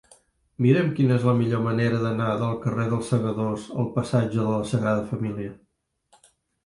Mira'm quina és la millor manera d'anar del carrer dels Segadors al passatge de la Sagrada Família.